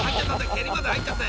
［蹴りまで入っちゃって。